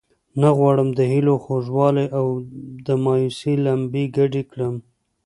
نه غواړم د هیلو خوږوالی او د مایوسۍ لمبې ګډې کړم.